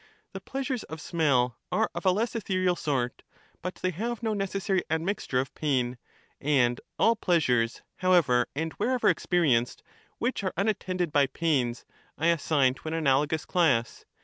The pleasures of smell are of a less ethereal sort, but they have no necessary admixture of pain ; and all pleasures, however and wherever experienced, which are unattended by pains, I assign to an analogous class.